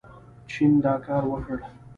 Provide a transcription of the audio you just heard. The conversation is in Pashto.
چین دا کار وکړ.